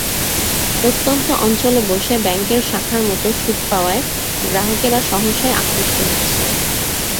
প্রত্যন্ত অঞ্চলে বসে ব্যাংকের শাখার মতো সুদ পাওয়ায় গ্রাহকেরা সহসাই আকৃষ্ট হচ্ছে।